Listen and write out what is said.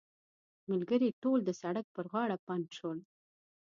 ملګري ټول د سړک پر غاړه پنډ شول.